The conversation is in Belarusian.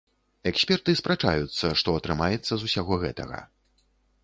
Эксперты спрачаюцца, што атрымаецца з усяго гэтага.